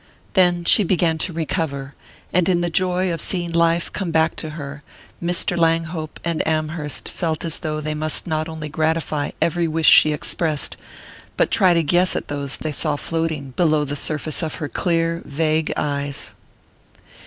Then she began to recover, and in the joy of seeing life come back to her, Mr. Langhope and Amherst felt as though they must not only gratify every wish she expressed, but try to guess at those they saw floating below the surface of her clear vague eyes.